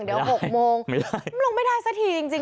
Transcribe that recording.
เดี๋ยว๖โมงมันลงไม่ได้สักทีจริง